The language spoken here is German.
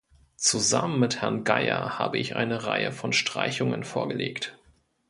Zusammen mit Herrn Geier habe ich eine Reihe von Streichungen vorgelegt.